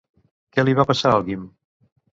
Què li va passar al Guim?